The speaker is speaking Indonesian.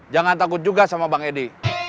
jangan takut juga sama bang edi